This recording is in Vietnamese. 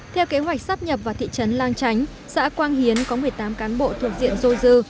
theo kế hoạch sắp nhập vào thị trấn lang chánh xã quang hiến có một mươi tám cán bộ thuộc diện dôi dư